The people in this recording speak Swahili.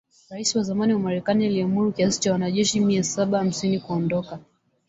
Rais wa zamani Marekani aliamuru kiasi cha wanajeshi mia saba hamsini kuondoka